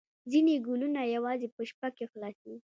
ځینې ګلونه یوازې په شپه کې خلاصیږي